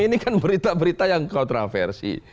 ini kan berita berita yang kontroversi